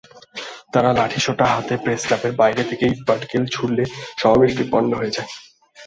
তাঁরা লাঠিসোঁটা হাতে প্রেসক্লাবের বাইরে থেকে ইট-পাটকেল ছুড়লে সমাবেশটি পণ্ড হয়ে যায়।